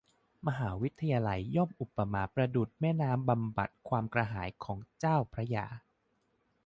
มหาวิทยาลัยย่อมอุปมาประดุจแม่น้ำ บำบัดความกระหายของเจ้าพระยา